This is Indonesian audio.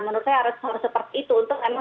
menurut saya harus seperti itu untuk memang